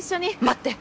待って！